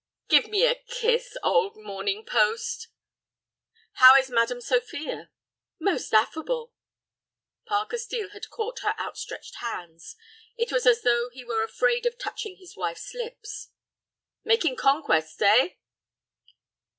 "Give me a kiss, old Morning Post." "How is Madam Sophia?" "Most affable." Parker Steel had caught her out stretched hands. It was as though he were afraid of touching his wife's lips. "Making conquests, eh?"